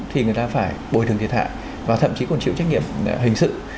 thì người ta phải bồi thường thiệt hại và thậm chí còn chịu trách nhiệm hình sự